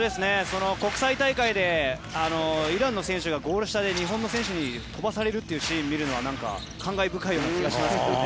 国際大会でイランの選手がゴール下で日本の選手に飛ばされるというシーンを見るのはなんか感慨深いような気がします。